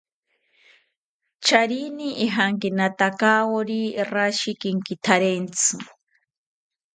Charini ijankinatakawori rashi kenkitharentzi